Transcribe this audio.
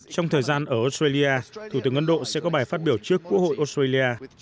trong thời gian ở australia thủ tướng ấn độ sẽ có bài phát biểu trước quốc hội australia